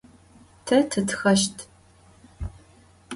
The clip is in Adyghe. Te tıtxeşt.